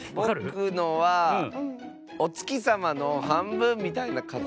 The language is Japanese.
ぼくのはおつきさまのはんぶんみたいなかたちですね。